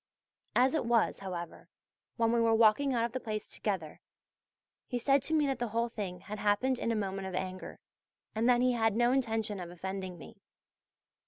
As it was, however, when we were walking out of the place together, he said to me that the whole thing had happened in a moment of anger, and that he had no intention of offending me.